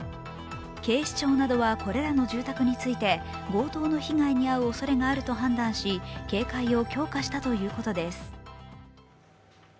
警視庁などはこれらの住宅について強盗の被害に遭うおそれがあると判断し、警戒を強化したということです。